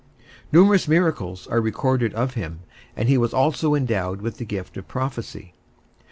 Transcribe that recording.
Numerous miracles are recorded of him, and he was also endowed with the gift of prophecy.